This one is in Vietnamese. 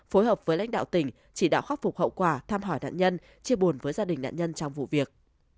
phối hợp với lãnh đạo tỉnh chỉ đạo khắc phục hậu quả thăm hỏi nạn nhân chia buồn với gia đình nạn nhân trong vụ việc